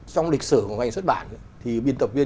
trong lịch sử của ngành xuất bản thì biên tập viên